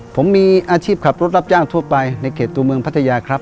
ผมมีอาชีพขับรถรับจ้างทั่วไปในเขตตัวเมืองพัทยาครับ